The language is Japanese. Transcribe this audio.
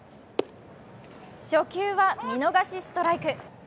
初球は見逃しストライク。